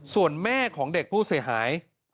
ส่วนแม่ของเด็กผู้เสียหาย